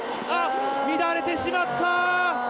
あっ、乱れてしまった。